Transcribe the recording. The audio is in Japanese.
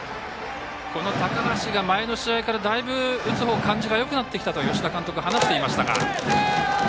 この高橋が前の試合から打つ感じがよくなってきたと吉田監督話していましたが。